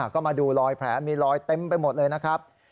ก็มาดูรอยแผลมีรอยเต็มไปหมดเลยนะครับ